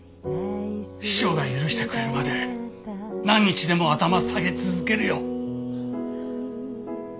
師匠が許してくれるまで何日でも頭下げ続けるよ。